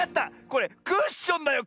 これクッションだよ